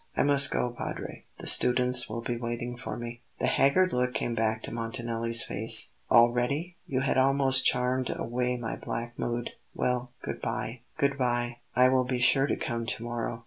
"I must go, Padre; the students will be waiting for me." The haggard look came back to Montanelli's face. "Already? You had almost charmed away my black mood. Well, good bye." "Good bye. I will be sure to come to morrow."